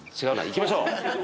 行きましょう！